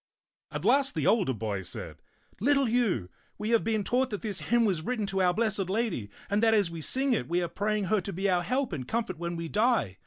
At last the older boy said, "Little Hugh, we have €^t ^vtote00'0 Zatt 8 1 been taught that this hymn was written to Our Blessed Lady, and that as we sing it, we are praying her to be our help and comfort when we die.